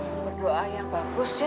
berdoa yang bagus ya